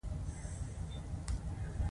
سلطان د دومره شتمنۍ په لیدو ډیر حیران شو.